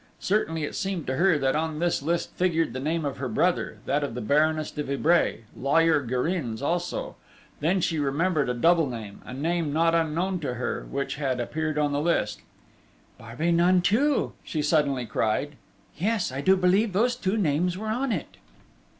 Certainly it seemed to her that on this list figured the name of her brother, that of the Baroness de Vibray, lawyer Gérin's also: then she remembered a double name, a name not unknown to her, which had appeared in the list. "Barbey Nanteuil!" she suddenly cried. "Yes, I do believe those two names were on it!"